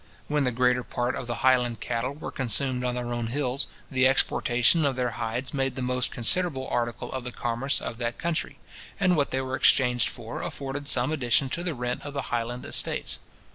When the greater part of the Highland cattle were consumed on their own hills, the exportation of their hides made the most considerable article of the commerce of that country, and what they were exchanged for afforded some addition to the rent of the Highland estates.